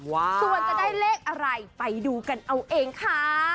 ส่วนจะได้เลขอะไรไปดูกันเอาเองค่ะ